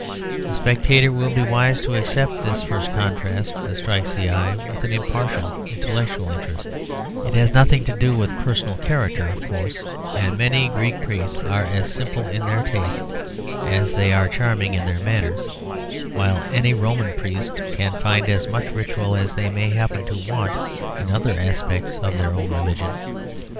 The spectator will be wise to accept this first contrast that strikes the eye with an impartial intellectual interest; it has nothing to do with personal character, of course, and many Greek priests are as simple in their tastes as they are charming in their manners; while any Roman priests can find as much ritual as they may happen to want in other aspects of their own religion.